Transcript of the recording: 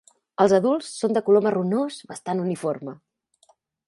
Els adults són de color marronós bastant uniforme.